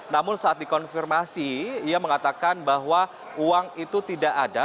namun saat dikonfirmasi ia mengatakan bahwa uang itu tidak ada